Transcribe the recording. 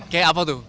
kayak apa tuh